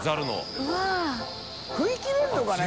食いきれるのかね？